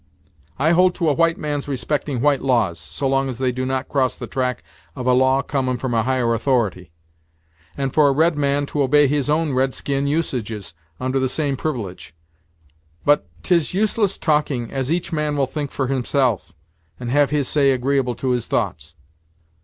I hold to a white man's respecting white laws, so long as they do not cross the track of a law comin' from a higher authority; and for a red man to obey his own red skin usages, under the same privilege. But, 't is useless talking, as each man will think fir himself, and have his say agreeable to his thoughts.